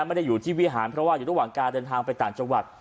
ไม่ได้อยู่ที่วิหารเพราะว่าอยู่ระหว่างการเดินทางไปต่างจังหวัด